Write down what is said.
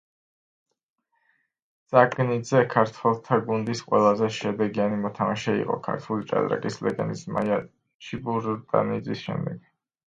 ძაგნიძე ქართველთა გუნდის ყველაზე შედეგიანი მოთამაშე იყო ქართული ჭადრაკის ლეგენდის მაია ჩიბურდანიძის შემდეგ.